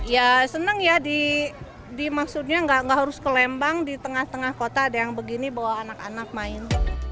ya senang ya dimaksudnya nggak harus ke lembang di tengah tengah kota ada yang begini bawa anak anak main